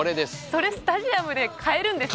それスタジアムで買えるんですか？